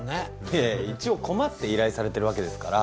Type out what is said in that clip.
いやいや一応困って依頼されてるわけですから。